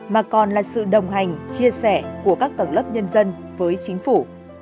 mà còn là sự đồng hành chia sẻ của các tầng lớp nhân dân với chính phủ